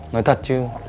nói thật chứ